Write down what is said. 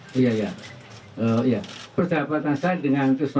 bisanya suruhnya di masakan kami hanya meny nitrasya